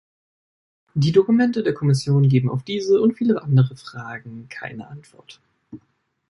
Die Dokumente der Kommission geben auf diese und viele andere Fragen keine Antwort.